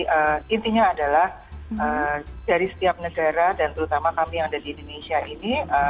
jadi intinya adalah dari setiap negara dan terutama kami yang ada di indonesia ini